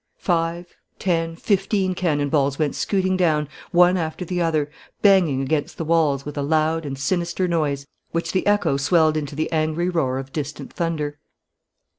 Five, ten, fifteen cannon balls went scooting down, one after the other, banging against the walls with a loud and sinister noise which the echo swelled into the angry roar of distant thunder.